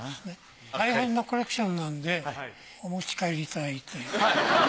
たいへんなコレクションなんでお持ち帰りいただいて。